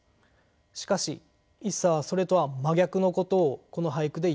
しかし一茶はそれとは真逆のことをこの俳句で言っています。